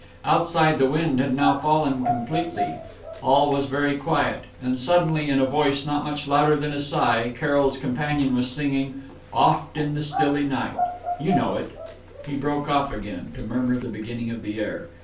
Outside the wind had now fallen completely; all was very quiet; and suddenly in a voice not much louder than a sigh, Carroll's companion was singing Oft in the Stilly Night you know it...." He broke off again to murmur the beginning of the air.